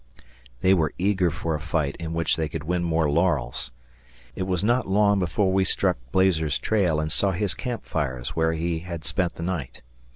They were eager for a fight in which they could win more laurels. It was not long before we struck Blazer's trail and saw his camp fires where he had spent the night.